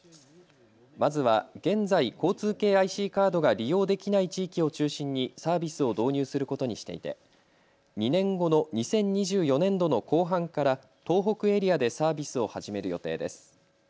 まずは現在、交通系ＩＣカードが利用できない地域を中心にサービスを導入することにしていて２年後の２０２４年度の後半から東北エリアでサービスを始める予定です。